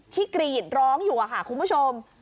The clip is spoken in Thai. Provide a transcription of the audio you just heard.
กรีดร้องอยู่ค่ะคุณผู้ชม